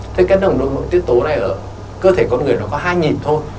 thế cái nồng độ nội tiết tố này ở cơ thể con người nó có hai nhịp thôi